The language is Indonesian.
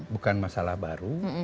bukan masalah baru